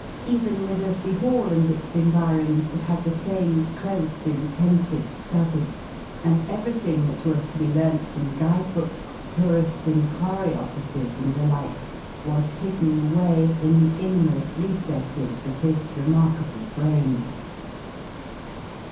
Even Withersby Hall and its environs had had the same close intensive study, and everything that was to be learnt from guide books, tourists' enquiry offices and the like, was hidden away in the innermost recesses of his remarkable brain.